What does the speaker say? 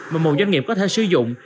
mà một doanh nghiệp có thể sử dụng